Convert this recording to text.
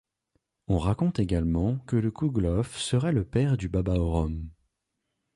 On raconte également que le kouglof serait le père du baba au rhum.